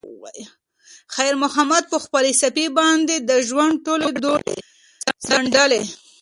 خیر محمد په خپلې صافې باندې د ژوند ټولې دوړې څنډلې.